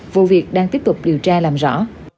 vụ việc đang tiếp tục điều tra làm rõ